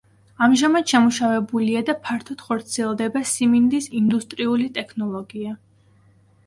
ამჟამად შემუშავებულია და ფართოდ ხორციელდება სიმინდის ინდუსტრიული ტექნოლოგია.